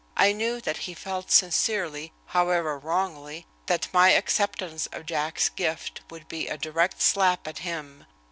I knew that he felt sincerely, however wrongly, that my acceptance of Jack's gift would be a direct slap at him.